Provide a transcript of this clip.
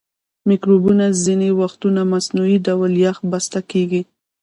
مکروبونه ځینې وختونه مصنوعي ډول یخ بسته کیږي.